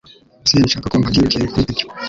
Sinshaka kumva ikindi kintu kuri ibyo.